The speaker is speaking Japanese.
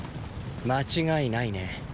間違いないね。